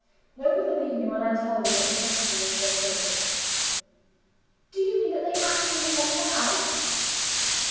Will you believe me, when I tell you that the prophecy was fulfilled?" "Do you mean that they actually left the house?"